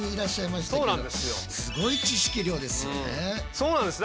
そうなんですよ。